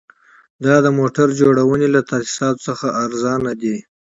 دا د موټر جوړونې له تاسیساتو څخه ارزانه دي